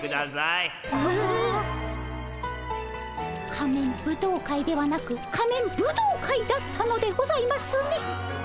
仮面舞踏会ではなく仮面ブドウ会だったのでございますね。